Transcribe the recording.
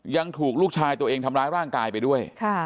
ยังถูกลูกชายตัวเองทำร้ายร่างกายไปด้วย